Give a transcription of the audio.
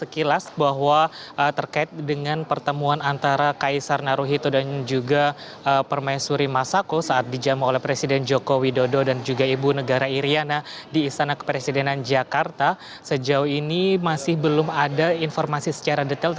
kaisar jepang hironomiya naruhito bersama permaisuri masako diagendakan berkunjung ke istana negara bogor jawa barat pagi ini tadi